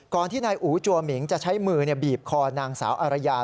ที่นายอู๋จัวหมิงจะใช้มือบีบคอนางสาวอารยา